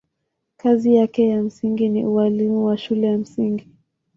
Kazi yake ya msingi ni ualimu wa shule ya msingi.